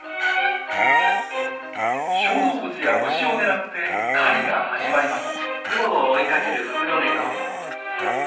小動物や虫を狙って狩りが始まります。